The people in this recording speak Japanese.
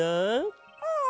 うん。